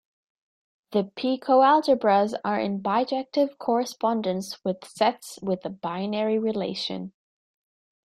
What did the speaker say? The "P"-coalgebras are in bijective correspondence with sets with a binary relation.